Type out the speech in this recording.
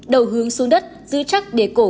đầu hướng xuống đất giữ chắc đề cổ